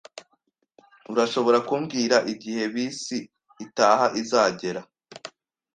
Urashobora kumbwira igihe bisi itaha izagera?